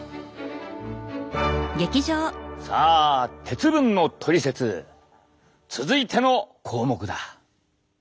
鉄分のトリセツ続いての項目だ。